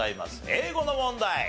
英語の問題。